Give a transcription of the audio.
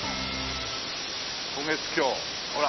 渡月橋ほら。